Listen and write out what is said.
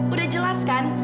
udah jelas kan